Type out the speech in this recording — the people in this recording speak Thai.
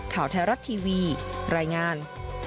ข่าวแทรศทีวีรายงาน